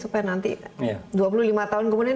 supaya nanti dua puluh lima tahun kemudian